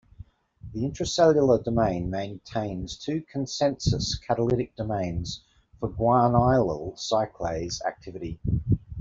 The intracellular domain maintains two consensus catalytic domains for guanylyl cyclase activity.